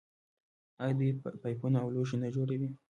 آیا دوی پایپونه او لوښي نه جوړوي؟